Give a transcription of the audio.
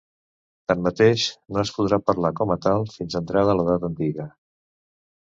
Tanmateix, no es podrà parlar com a tal fins entrada l'edat antiga.